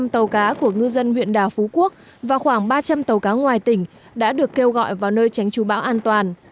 một sáu trăm linh tàu cá của ngư dân huyện đảo phú quốc và khoảng ba trăm linh tàu cá ngoài tỉnh đã được kêu gọi vào nơi tránh chú bão an toàn